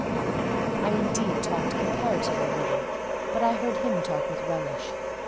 I, indeed, talked comparatively little, but I heard him talk with relish.